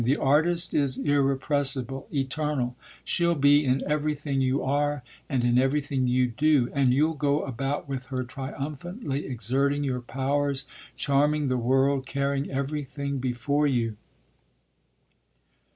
"The artist is irrepressible, eternal; she'll be in everything you are and in everything you do, and you'll go about with her triumphantly exerting your powers, charming the world, carrying everything before you."